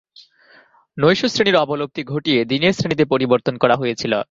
নৈশ শ্রেণীর অবলুপ্তি ঘটিয়ে দিনের শ্রেণীতে পরিবর্তন করা হয়েছিল।